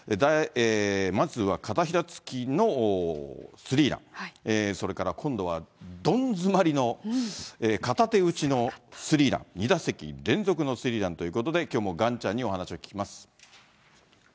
まずは片ひざつきのスリーラン、それから今度はどん詰まりの片手打ちのスリーラン、２打席連続のスリーランということで、きょうも岩ちゃんにお話を聞きます。